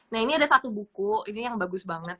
nah ini ada satu buku ini yang bagus banget